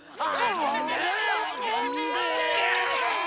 ああ。